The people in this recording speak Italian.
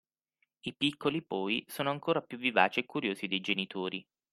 I piccoli poi sono ancora più vivaci e curiosi dei genitori